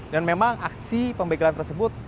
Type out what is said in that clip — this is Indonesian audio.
dan memang aksi pembegalan tersebut